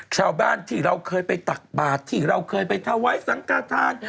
ชาวบ้านที่เราเคยไปตักบาทที่เราเคยไปถวายสังกฐาน